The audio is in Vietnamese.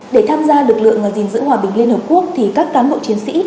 để tham gia lực lượng di dịu hòa bình liên hợp quốc thì các cán bộ chiến sĩ